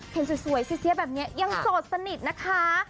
เพ็ญสวยเซ็กแบบนี้ยังโสดสนิทนะคะ